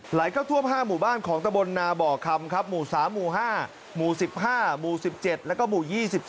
ไหลเข้าท่วม๕หมู่บ้านของตะบนนาบ่อคำครับหมู่๓หมู่๕หมู่๑๕หมู่๑๗แล้วก็หมู่๒๗